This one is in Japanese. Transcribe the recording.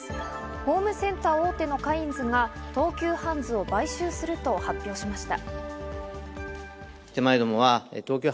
ホームセンター大手のカインズが東急ハンズを買収すると発表しました。